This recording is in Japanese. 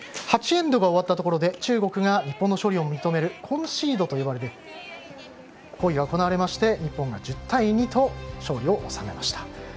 ８エンドが終わったところで中国が日本の勝利を認めるコンシードと呼ばれる行為が行われまして日本が１０対２で勝利を収めました。